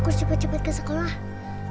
aku cepat cepat ke sekolah